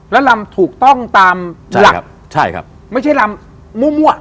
แล้วลำถูกต้องตามหลักไม่ใช่ลำมั่ว